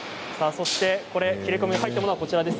切れ込みが入ったものがこちらです。